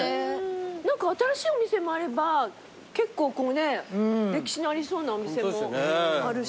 何か新しいお店もあれば結構歴史のありそうなお店もあるし。